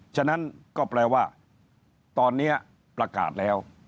ฉะนั้นก็แปลว่าตอนนี้ประกาศแล้ว